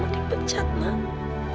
kalau mama gak kerja nanti mama dipecat ma